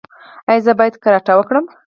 ایا زه باید کراټه وکړم؟